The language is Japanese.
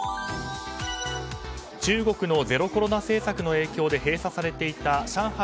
中国のゼロコロナ政策の影響で閉鎖されていた上海